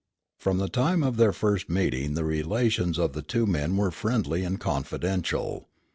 From the time of their first meeting the relations of the two men were friendly and confidential.